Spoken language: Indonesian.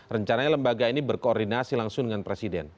rencananya lembaga ini berkoordinasi langsung dengan presiden